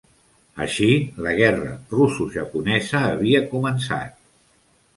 Així, la guerra russo-japonesa havia començat.